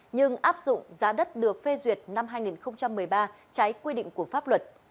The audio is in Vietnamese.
nhưng áp dụng giá đất được phê duyệt năm hai nghìn một mươi ba trái quy định của pháp luật